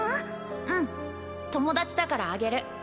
うん友達だからあげる